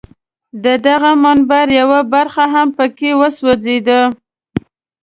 د دغه منبر یوه برخه هم په کې وسوځېده.